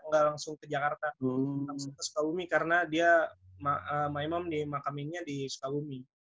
gak langsung ke jakarta langsung ke sukabumi karena dia my mom makaminnya di sukabumi